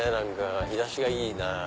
日差しがいいなぁ。